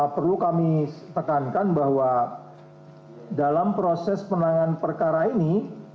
perlu kami tekankan bahwa dalam proses penanganan perkara ini